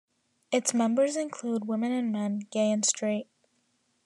Its members include women and men, gay and straight.